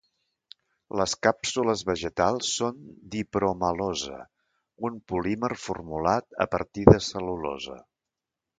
Les càpsules vegetals són d'hipromelosa, un polímer formulat a partir de cel·lulosa.